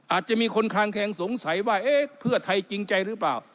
อาจจะมีคนคางแคงสงสัยว่าเอ๊ะเพื่อไทยจริงใจหรือเปล่า